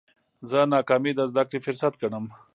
زه ناکامي د زده کړي فرصت ګڼم.